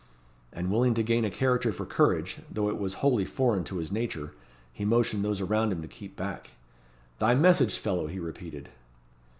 And willing to gain a character for courage, though it was wholly foreign to his nature, he motioned those around him to keep back. "Thy message, fellow!" he repeated.